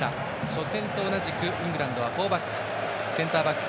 初戦と同じくイングランドはフォーバック。